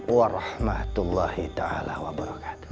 warahmatullahi ta'ala wabarakatuh